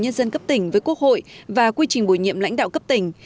nhân dân cấp tỉnh với quốc hội và quy trình bồi nhiệm lãnh đạo cấp tỉnh